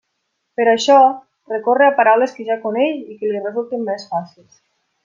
Per això, recorre a paraules que ja coneix i que li resulten més fàcils.